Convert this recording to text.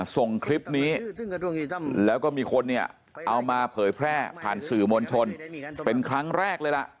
ส่งคลิปนี้แล้วก็มีคนเนี่ยเอามาเผยแพร่ผ่านสื่อมวลชนเป็นครั้งแรกเลยล่ะ